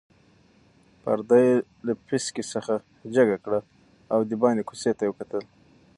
پرده یې له پیڅکې څخه جګه کړه او د باندې کوڅې ته یې وکتل.